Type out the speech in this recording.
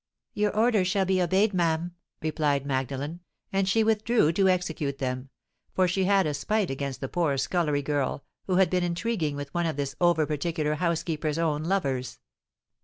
"Your orders shall be obeyed, ma'am," replied Magdalen; and she withdrew to execute them—for she had a spite against the poor scullery girl, who had been intriguing with one of this over particular housekeeper's own lovers.